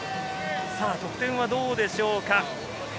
得点はどうでしょうか。